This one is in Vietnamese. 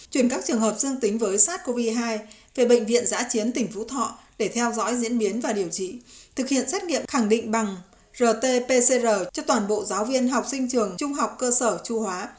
chuyển các trường hợp dương tính với sars cov hai về bệnh viện giã chiến tỉnh phú thọ để theo dõi diễn biến và điều trị thực hiện xét nghiệm khẳng định bằng rt pcr cho toàn bộ giáo viên học sinh trường trung học cơ sở chu hóa